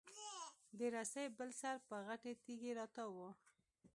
د رسۍ بل سر په غټې تېږي راتاو و.